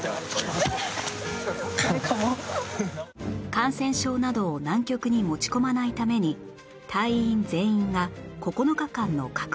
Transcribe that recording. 感染症などを南極に持ち込まないために隊員全員が９日間の隔離生活